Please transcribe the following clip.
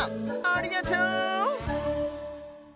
ありがとう！